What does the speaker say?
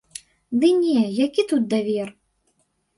Ды не, які тут давер?